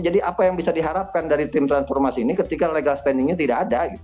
jadi apa yang bisa diharapkan dari tim transformasi ini ketika legal standingnya tidak ada